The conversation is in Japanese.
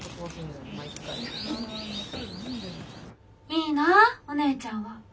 「いいなぁお姉ちゃんは。